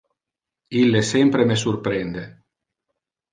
Ille sempre me surprende.